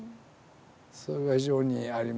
それは非常にありますね。